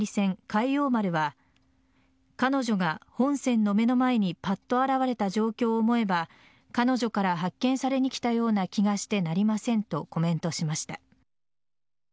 「海王丸」は彼女が本船の目の前にパッと現れた状況を思えば彼女から発見されに来たような気がしてなりませんとコメントしました。